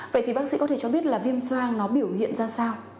vậy thì bác sĩ có thể cho biết viêm xoang biểu hiện ra sao